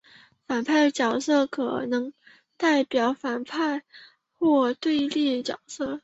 反派角色可能代表反派或对立角色。